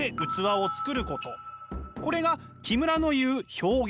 これが木村の言う表現。